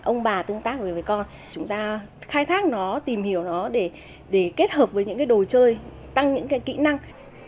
ông bà tương tác với con chúng ta khai thác nó tìm hiểu nó để kết hợp với những cái đồ chơi tăng những cái kỹ năng